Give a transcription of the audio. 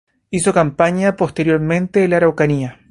Hizo campaña posteriormente en la Araucanía.